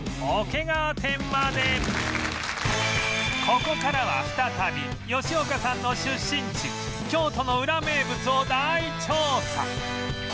ここからは再び吉岡さんの出身地京都のウラ名物を大調査